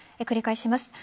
繰り返します。